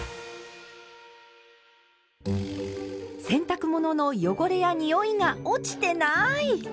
洗濯物の汚れやにおいが落ちてない！